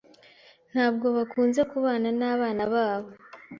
Ntabwo bakunze kubana nabana babo.